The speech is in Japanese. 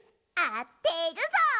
あてるぞ！